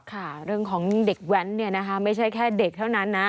ค่ะเรื่องของเด็กแวนไม่ใช่แค่เด็กเท่านั้นนะ